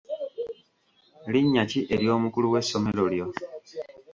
Linnya ki ery'omukulu w'essomero lyo?